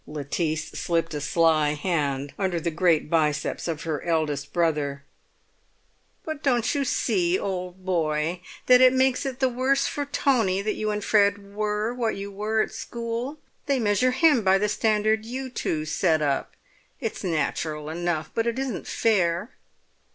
Lettice slipped a sly hand under the great biceps of her eldest brother. "But don't you see, old boy, that it makes it the worse for Tony that you and Fred were what you were at school? They measure him by the standard you two set up; it's natural enough, but it isn't fair."